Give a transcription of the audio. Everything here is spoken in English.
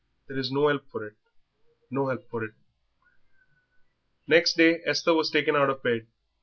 There's no help for it, no help for it." Next day Esther was taken out of bed.